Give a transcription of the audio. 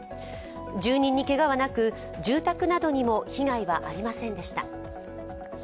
住人にけがはなく、住宅などにも被害はありませんでした。